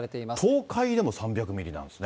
東海でも３００ミリなんですね。